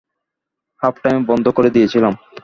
হাফটাইমেই বন্ধ করে দিয়েছিলাম।